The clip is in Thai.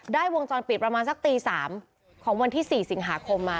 วงจรปิดประมาณสักตี๓ของวันที่๔สิงหาคมมา